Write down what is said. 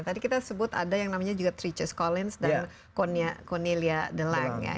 tadi kita sebut ada yang namanya juga treacher collins dan cornelia de lang ya